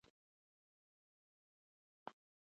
ملالۍ خاورو ته وسپارل سوه.